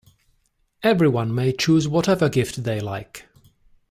Everyone may choose whatever gift they like.